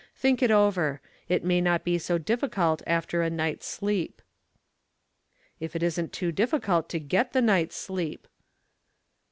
Think it over. It may not be so difficult after a night's sleep." "If it isn't too difficult to get the night's sleep."